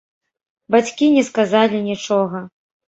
Бацькі не сказалі нічога.